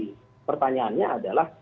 jadi pertanyaannya adalah